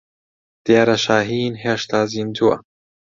دیارە شاھین هێشتا زیندووە.